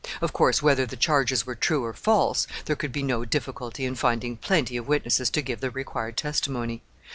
Of course, whether the charges were true or false, there could be no difficulty in finding plenty of witnesses to give the required testimony.